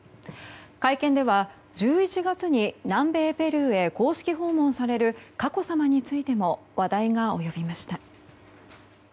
会見では、１１月に南米ペルーへ公式訪問される佳子さまについても話題が及びました。